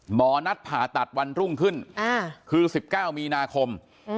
หมอนัดผ่าตัดวันรุ่งขึ้นคือ๑๙มีนาคม